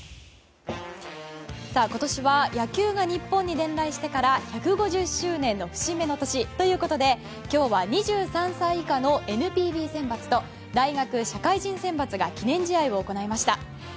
今年は野球が日本に伝来してから１５０周年の節目の年。ということで今日は２３歳以下のＮＰＢ選抜と大学・社会人選抜が記念試合を行いました。